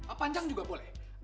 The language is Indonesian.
oh panjang juga boleh